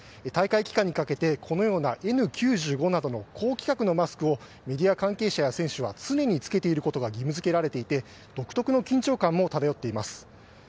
大会期間にかけてこのようなＮ９５などの高規格のマスクをメディア関係者や選手は常につけていることが義務付けられていて独特な緊張感も漂っています。